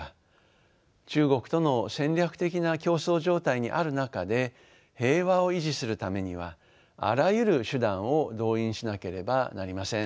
中国との戦略的な競争状態にある中で平和を維持するためにはあらゆる手段を動員しなければなりません。